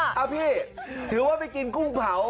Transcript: พี่ถือว่าไปกินกุ้งเผา